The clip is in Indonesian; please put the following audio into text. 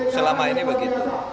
selama ini begitu